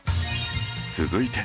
続いて